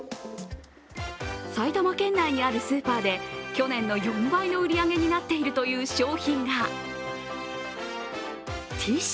埼玉県内にあるスーパーで去年の４倍の売り上げになっているという商品がティッシュ。